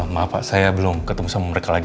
maaf pak saya belum ketemu sama mereka lagi